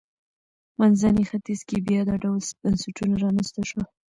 منځني ختیځ کې بیا دا ډول بنسټونه رامنځته شول.